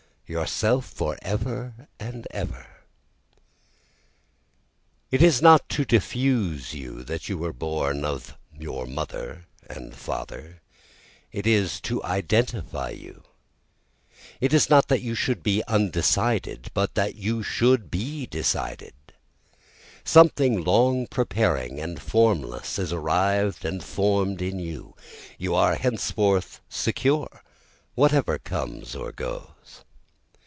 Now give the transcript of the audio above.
yourself, for ever and ever! 7 It is not to diffuse you that you were born of your mother and father, it is to identify you, It is not that you should be undecided, but that you should be decided, Something long preparing and formless is arrived and form'd in you, You are henceforth secure, whatever comes or goes.